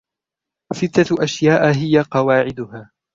سِتَّةُ أَشْيَاءَ هِيَ قَوَاعِدُهَا